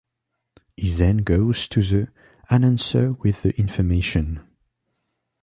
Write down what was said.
He then goes to the announcer with the information.